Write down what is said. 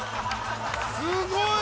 すごい。